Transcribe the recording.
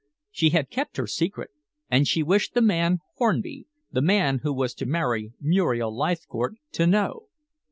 She had kept her secret, and she wished the man Hornby the man who was to marry Muriel Leithcourt to know.